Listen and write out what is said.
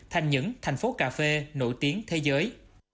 thành những thành phố cà phê nổi tiếng thế giới